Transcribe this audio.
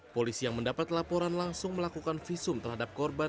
polisi yang mendapat laporan langsung melakukan visum terhadap korban